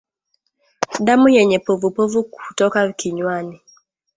Damu yenye povupovu hutoka kinywani